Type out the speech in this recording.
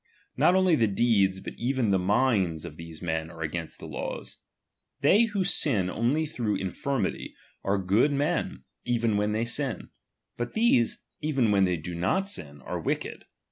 Not only the deeds, but even the minds of these men are against the laws. They who sin only through itifirmity, are good men even when they sin ; but t bese, even when they do not sin, are wicked.